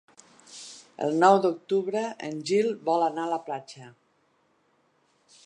El nou d'octubre en Gil vol anar a la platja.